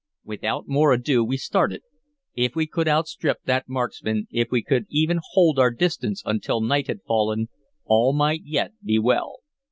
Without more ado we started. If we could outstrip that marksman, if we could even hold our distance until night had fallen, all might yet be well.